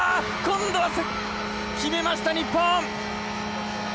今度は決めました日本。